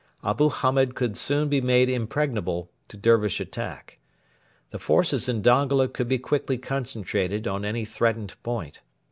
Abu Hamed could soon be made impregnable to Dervish attack. The forces in Dongola could be quickly concentrated on any threatened point.